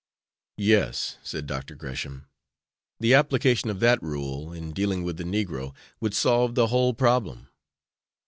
'" "Yes," said Dr. Gresham; "the application of that rule in dealing with the negro would solve the whole problem."